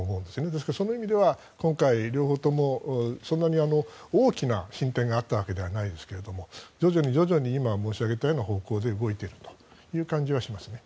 ですからその意味では今回、両方ともそんなに大きな進展があったわけではないですが徐々に徐々に今、申し上げたような方向で動いているという感じはしますね。